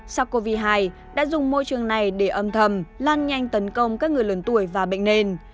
sars cov hai đã dùng môi trường này để âm thầm lan nhanh tấn công các người lớn tuổi và bệnh nền